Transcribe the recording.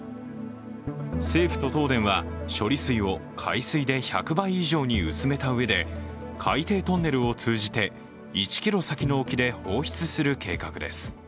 政府と東電は処理水を海水で１００倍以上に薄めたうえで、海底トンネルを通じて１ｋｍ先の沖で放出する計画です。